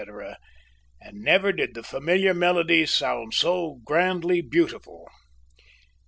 and never did the familiar melodies sound so grandly beautiful.